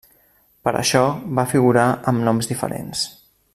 Per això va figurar amb noms diferents.